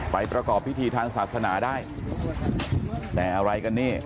ประกอบพิธีทางศาสนาได้แต่อะไรกันนี่